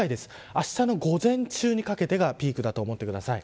あしたの午前中にかけてがピークだと思ってください。